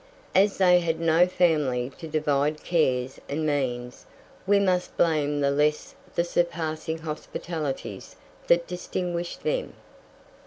As they had no family to divide cares and means, we must blame the less the surpassing hospitalities that distinguished them.